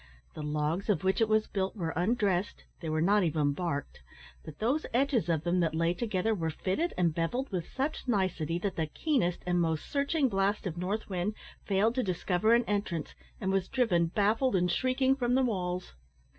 The logs of which it was built were undressed; they were not even barked, but those edges of them that lay together were fitted and bevelled with such nicety that the keenest and most searching blast of north wind failed to discover an entrance, and was driven baffled and shrieking from the walls.